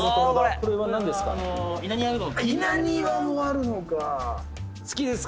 これは何ですか？